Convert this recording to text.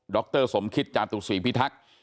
รสมคิตจาตุศรีพิทักษ์